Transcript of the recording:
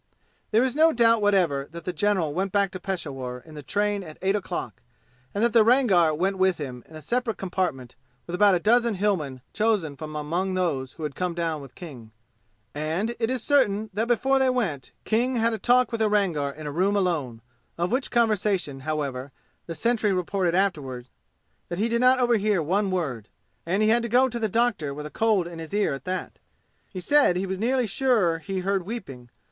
There is no doubt whatever that the general went back to Peshawur in the train at eight o'clock and that the Rangar went with him in a separate compartment with about a dozen Hillmen chosen from among those who had come down with King. And it is certain that before they went King had a talk with the Rangar in a room alone, of which conversation, however, the sentry reported afterward that he did not overhear one word; and he had to go to the doctor with a cold in his ear at that. He said he was nearly sure he heard weeping.